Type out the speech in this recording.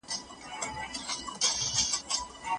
موږ کولی شو د انټرنېټ له لارې معلومات ترلاسه کړو.